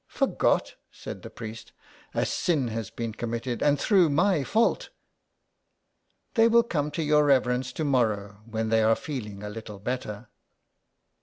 *' Forgot !" said the priest. *' A sin has been com mitted, and through my fault." ''They will come to your reverence to morrow when they are feeling a little better."